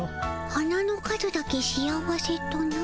花の数だけ幸せとな。